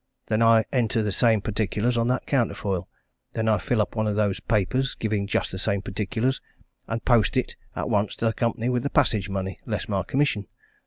Then I enter the same particulars on that counterfoil. Then I fill up one of these papers, giving just the same particulars, and post it at once to the Company with the passage money, less my commission.